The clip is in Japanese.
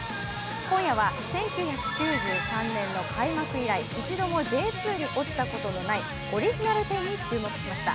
今夜は１９９３年の開幕以来一度もＪ２に落ちたことのないオリジナル１０に注目しました。